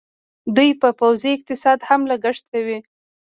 دوی په پوځي اقتصاد هم لګښت کوي.